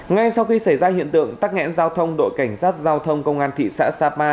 ngay sau khi xảy ra hiện tượng tắc nghẽn giao thông đội cảnh sát giao thông công an thị xã sapa